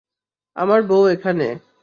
আমার বউ এখানে।